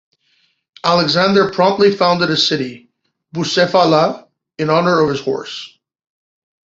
Alexander promptly founded a city, Bucephala, in honour of his horse.